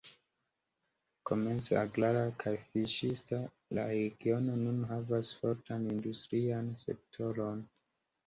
Komence agrara kaj fiŝista, la regiono nun havas fortan industrian sektoron.